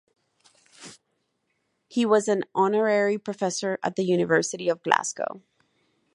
He was an honorary professor at the University of Glasgow.